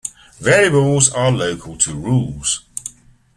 Variables are local to rules.